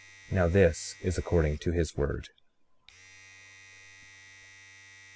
Now this is according to his word.